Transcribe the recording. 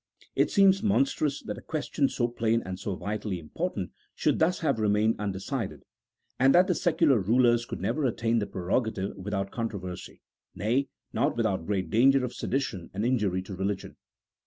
It seems mon strous that a question so plain and so vitally important should thus have remained undecided, and that the secular rulers could never obtain the prerogative without controversy, nay, nor without great danger of sedition and injury to religion.